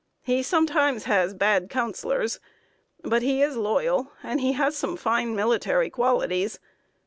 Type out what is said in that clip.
He sometimes has bad counselors, but he is loyal, and he has some fine military qualities.